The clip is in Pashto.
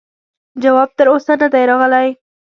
جواب تر اوسه نه دی راغلی.